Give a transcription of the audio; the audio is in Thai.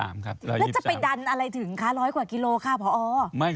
แล้วจะไปดันอะไรถึงคะร้อยกว่ากิโลค่ะพอ